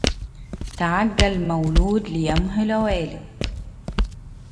تعجل مولود ليمهل والد